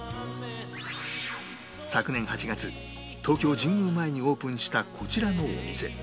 昨年８月東京神宮前にオープンしたこちらのお店